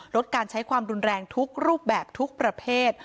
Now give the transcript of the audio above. ลดการใช้ความรุนแรงทุกรูปแบบทุกประเภท